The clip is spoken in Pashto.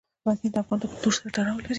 غزني د افغان کلتور سره تړاو لري.